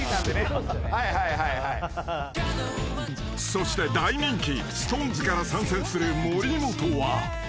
［そして大人気ＳｉｘＴＯＮＥＳから参戦する森本は］